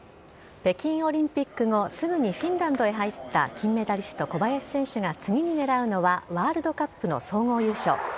北京オリンピック後、すぐにフィンランドへ入った金メダリスト、小林選手が、次にねらうのはワールドカップの総合優勝。